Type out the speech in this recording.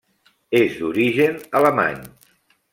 És d'origen alemany.